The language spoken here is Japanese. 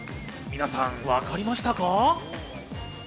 皆さん、わかりましたか？